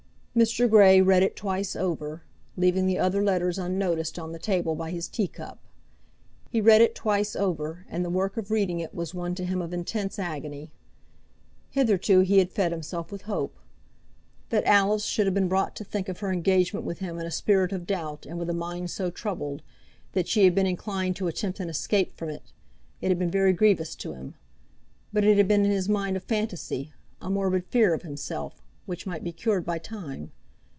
Mr. Grey read it twice over, leaving the other letters unnoticed on the table by his tea cup. He read it twice over, and the work of reading it was one to him of intense agony. Hitherto he had fed himself with hope. That Alice should have been brought to think of her engagement with him in a spirit of doubt and with a mind so troubled, that she had been inclined to attempt an escape from it, had been very grievous to him; but it had been in his mind a fantasy, a morbid fear of himself, which might be cured by time.